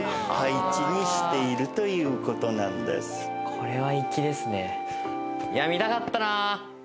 これは粋ですね。